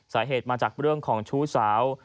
สาเหตุมาจากเรื่องของชู้สาว